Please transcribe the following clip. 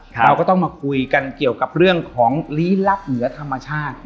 เราก็ต้องมาคุยกันเกี่ยวกับเรื่องของลี้ลับเหนือธรรมชาติ